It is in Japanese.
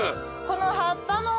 この葉っぱも。